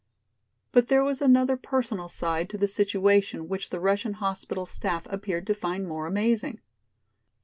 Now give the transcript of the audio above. But there was another personal side to the situation which the Russian hospital staff appeared to find more amazing.